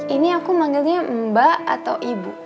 ini aku manggilnya mbak atau ibu